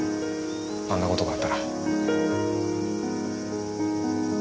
あんな事があったら。